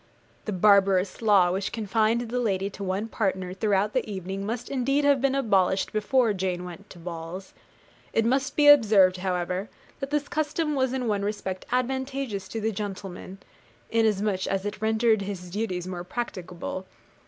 The barbarous law which confined the lady to one partner throughout the evening must indeed have been abolished before Jane went to balls. It must be observed, however, that this custom was in one respect advantageous to the gentleman, inasmuch as it rendered his duties more practicable.